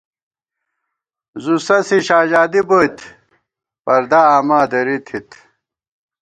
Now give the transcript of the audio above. زُو سَسی شاژادی بوئیت، پردا آما دری تھِت